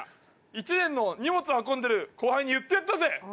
１年の荷物運んでる後輩に言ってやったぜ。